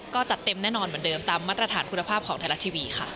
ก็จัดเต็มแน่นอนเหมือนเดิมตามมาตรฐานคุณภาพของไทยรัฐทีวีค่ะ